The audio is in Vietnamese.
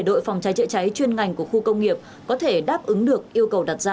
đội phòng trái trịa trái chuyên ngành của khu công nghiệp có thể đáp ứng được yêu cầu đặt ra